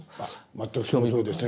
全くそのとおりですね。